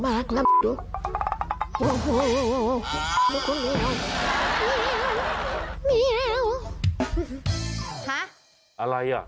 อะไรอ่ะ